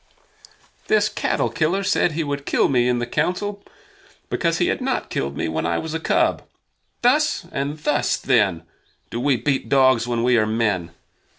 "This cattle killer said he would kill me in the Council because he had not killed me when I was a cub. Thus and thus, then, do we beat dogs when we are men.